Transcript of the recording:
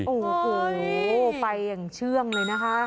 โอ้โหไปอย่างเชื่องเลยนะคะ